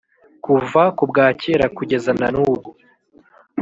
kuva kubwacyera kugeza nanubu